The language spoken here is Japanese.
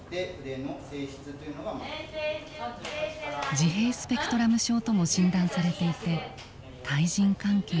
自閉スペクトラム症とも診断されていて対人関係も苦手。